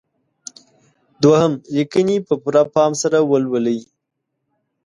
دوهم: لیکنې په پوره پام سره ولولئ.